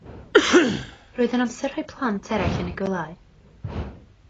Roedd yn amser rhoi'r plant eraill yn eu gwelyau.